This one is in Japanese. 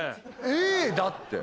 「ａ」だって。